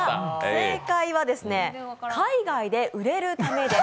正解は、海外で売れるためです。